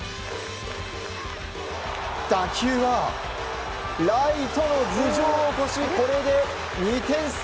打球はライトの頭上を越しこれで２点差。